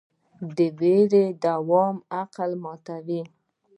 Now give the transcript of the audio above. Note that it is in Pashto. د ویرې دوام عقل ماتوي.